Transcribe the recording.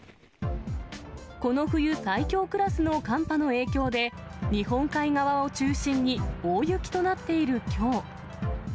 この冬最強クラスの寒波の影響で、日本海側を中心に大雪となっているきょう。